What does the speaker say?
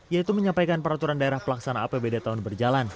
yaitu menyampaikan peraturan daerah pelaksana apbd tahun berjalan